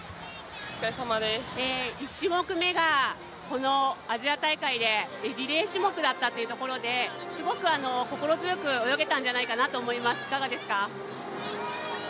１種目めが、このアジア大会でリレー種目だったというところですごく心強く泳げたんじゃないかなと思います、いかがですか？